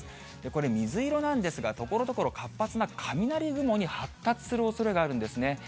これ、水色なんですが、ところどころ活発な雷雲に発達するおそれがあるんですね。